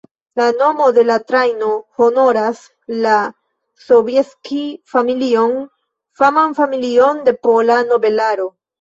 La nomo de la trajno honoras la Sobieski-familion, faman familion de pola nobelaro.